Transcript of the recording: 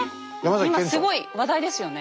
今すごい話題ですよね。